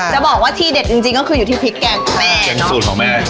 จะบอกว่าที่เด็ดจริงคือพริกแกงแม่